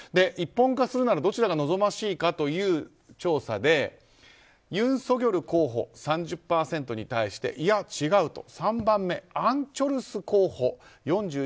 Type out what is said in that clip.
一本化するならどちらが望ましいかという調査でユン・ソギョル候補３０％に対していや違うと、３番目アン・チョルス候補４１．１％